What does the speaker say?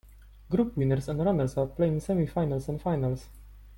Group winners and runners-up play in semi-finals and finals.